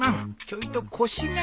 ちょいと腰が。